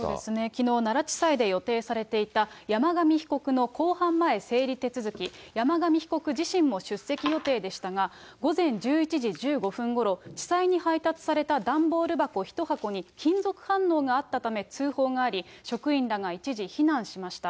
きのう、奈良地裁で予定されていた山上被告の公判前整理手続き、山上被告自身も出席予定でしたが、午前１１時１５分ごろ、地裁に配達された段ボール箱１箱に金属反応があったため、通報があり、職員らが一時避難しました。